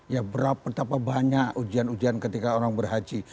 ya berapa banyak ujian ujian ketika orang berhaji